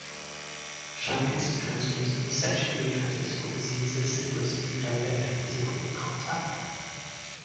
Chancres transmit the sexually transmissible disease of syphilis through direct physical contact.